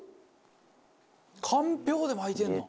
「かんぴょうで巻いてるの？